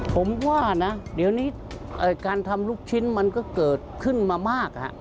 ผมว่านะเดี๋ยวนี้การทำลูกชิ้นมันก็เกิดขึ้นมามาก